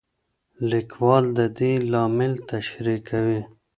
لیکوال د دې لامل تشریح کوي.